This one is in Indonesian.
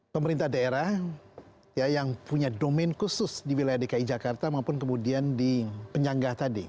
pemerintah daerah yang punya domain khusus di wilayah dki jakarta maupun kemudian di penyangga tadi